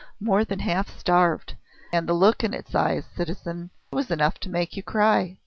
"More than half starved ... and the look in its eyes, citizen! It was enough to make you cry!